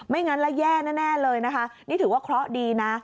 งั้นแล้วแย่แน่เลยนะคะนี่ถือว่าเคราะห์ดีนะ